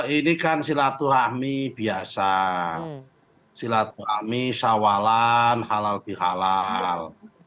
ini kan silatu hami biasa silatu hami sawalan halal bihalal